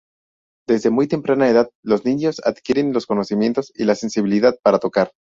Desde muy temprana edad los niños adquieren los conocimientos y la sensibilidad para tocar.